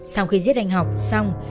sau khi giết anh học xong